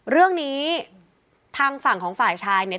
เรื่องนี้ทางฝั่งของฝ่ายชายเนี่ย